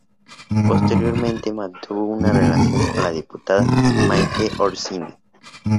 Posteriormente mantuvo una relación con la diputada Maite Orsini.